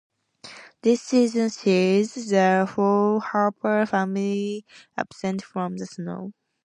This season sees the whole Harper family absent from the show.